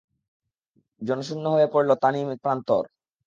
জনশূন্য হয়ে পড়ল তানঈম প্রান্তর।